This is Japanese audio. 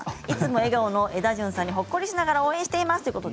いつも笑顔のエダジュンさんほっこりしながら応援しています。